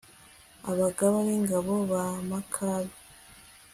abagaba b'ingabo ba makabe